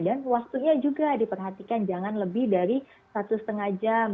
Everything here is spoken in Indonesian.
dan waktunya juga diperhatikan jangan lebih dari satu setengah jam